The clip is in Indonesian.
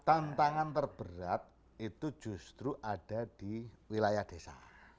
tantangan terberat itu justru ada di wilayah desa